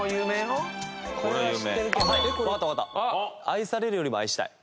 『愛されるより愛したい』。